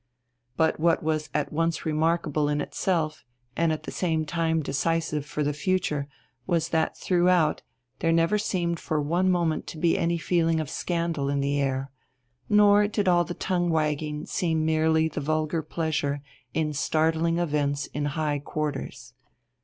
But what was at once remarkable in itself and at the same time decisive for the future was that throughout there never seemed for one moment to be any feeling of scandal in the air, nor did all the tongue wagging seem merely the vulgar pleasure in startling events in high quarters.